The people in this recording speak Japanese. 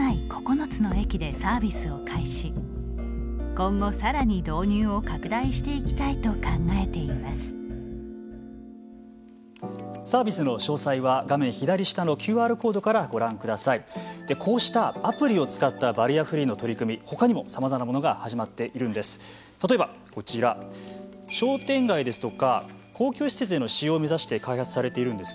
こうしたアプリを使ったバリアフリーの取り組みほかにもさまざまなものが始まっているんです。